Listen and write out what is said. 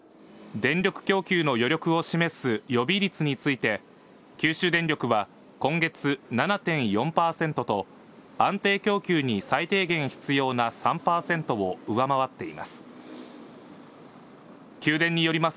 電力供給の余力を示す予備率について、九州電力は今月７．４％と、安定供給に最低限必要な３％を上回っています。